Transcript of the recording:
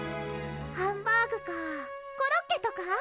ハンバーグかコロッケとか？